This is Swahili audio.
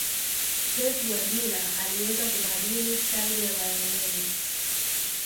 pep guardiola aliweza kubadili staili ya bayern munich